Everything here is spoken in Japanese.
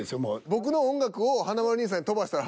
僕の音楽を華丸兄さんに飛ばしたら。